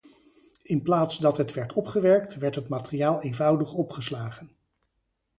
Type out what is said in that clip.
In plaats dat het werd opgewerkt, werd het materiaal eenvoudig opgeslagen.